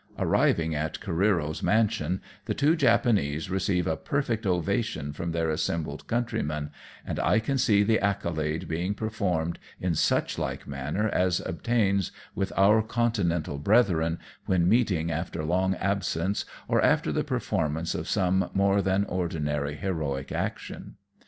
Arriving at Careero's mansion, the two Japanese receive a perfect ovation from their assembled countrymen, and I can see the accolade being per formed in such like manner as obtains with our con tinental brethren, when meeting after long absence, or after the performance of some more than ordinary heroic action.